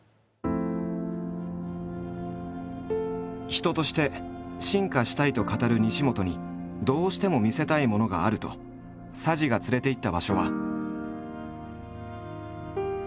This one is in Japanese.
人として「進化したい」と語る西本にどうしても見せたいものがあると佐治が連れて行った場所は。